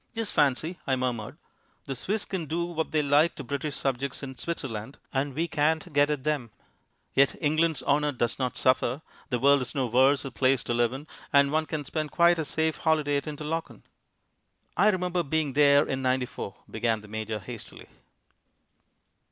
"Just fancy," I murmured, "the Swiss can do what they like to British subjects in Switzerland, and we can't get at them. Yet England's honour does not suffer, the world is no worse a place to live in, and one can spend quite a safe holiday at Interlaken." "I remember being there in '94," began the Major hastily....